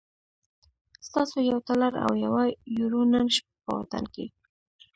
ستاسو یو ډالر او یوه یورو نن شپه په وطن کی